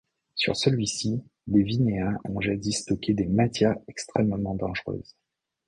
Sur celui-ci, les Vinéens ont jadis stocké des matières extrêmement dangereuses.